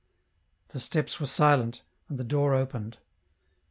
" The steps were silent, and the door opened.